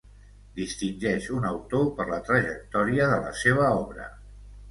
Distingeix un autor per la trajectòria de la seva obra.